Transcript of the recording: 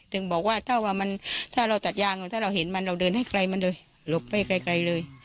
ถึงบอกว่าถ้าว่ามันถ้าเราตัดยางถ้าเราเห็นมันเราเดินให้ไกลมันเลยหลบไปไกลเลย